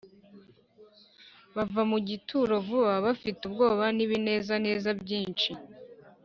Bava mu gituro vuba bafite ubwoba n’ibinezaneza byinshi